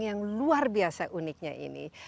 yang luar biasa uniknya ini